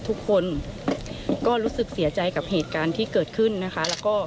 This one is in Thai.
ทุกคนก็รู้สึกเสียใจกับเหตุการณ์ที่เกิดขึ้นนะคะแล้วก็